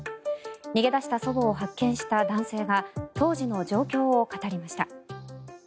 逃げ出した祖母を発見した男性が当時の状況を語りました。